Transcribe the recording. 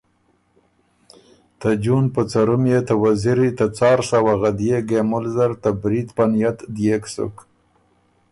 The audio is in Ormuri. ته جون په څرم يې ته وزیری ته څار سوه غدئے ګېمُل زر ته برید په نئت ديېک سُک